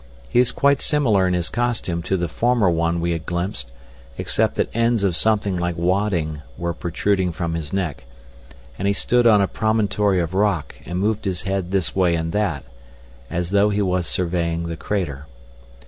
He was quite similar in his costume to the former one we had glimpsed, except that ends of something like wadding were protruding from his neck, and he stood on a promontory of rock and moved his head this way and that, as though he was surveying the crater.